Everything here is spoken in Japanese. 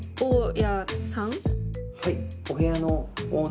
はい。